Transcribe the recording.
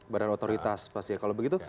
badan otoritas pasti ya kalau begitu